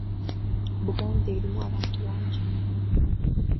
Buganda erimu abantu bangi nnyo.